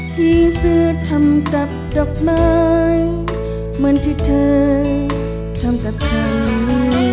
ซื้อเสื้อทำกับดอกไม้เหมือนที่เธอทำกับฉัน